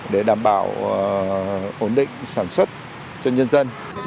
để đảm bảo ổn định sản xuất cho nhân dân